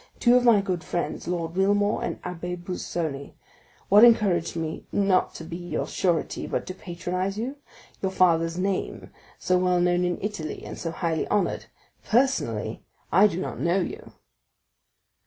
—two of my good friends, Lord Wilmore and the Abbé Busoni. What encouraged me not to become your surety, but to patronize you?—your father's name, so well known in Italy and so highly honored. Personally, I do not know you."